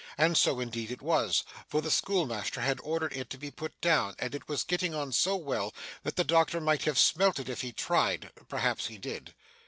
And so indeed it was, for the schoolmaster had ordered it to be put down, and it was getting on so well that the doctor might have smelt it if he had tried; perhaps he did.